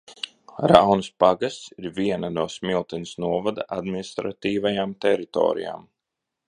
Raunas pagasts ir viena no Smiltenes novada administratīvajām teritorijām.